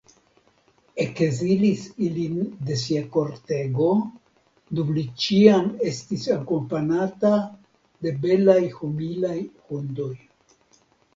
Ekzilis ilin de sia kortego, dum li ĉiam estis akompanata de belaj humilaj hundoj.